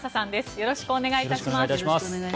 よろしくお願いします。